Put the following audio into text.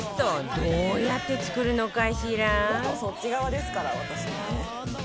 どうやって作るのかしら？